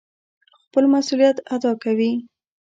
خپل مسئوليت اداء کوي.